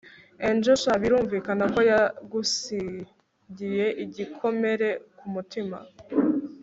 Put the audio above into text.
Angel sha birumvikana ko yagusigiye igukomere ku mutima